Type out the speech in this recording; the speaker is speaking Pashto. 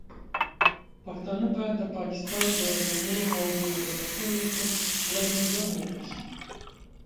پښتانه باید د پاکستان د ظلمونو او بې عدالتیو پر وړاندې یو موټی شي.